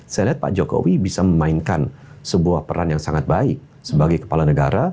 saya lihat pak jokowi bisa memainkan sebuah peran yang sangat baik sebagai kepala negara